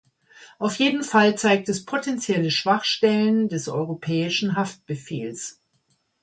Auf jeden Fall zeigt es potenzielle Schwachstellen des europäischen Haftbefehls.